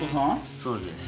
そうです。